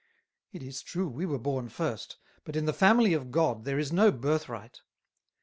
It is true we were born first, but in the Family of God there is no Birthright.